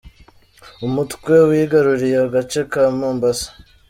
Umutwe wigaruriye agace ka Mombasa